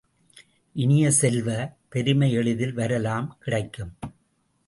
இனிய செல்வ, பெருமை எளிதில் வரலாம் கிடைக்கும்.